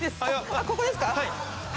あっここですか？